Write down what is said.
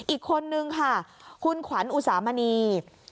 อีกคนนึงค่ะคุณขวัญอุสามณี